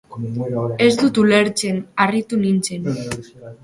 Ez dut ulertzen..., harritu nintzen.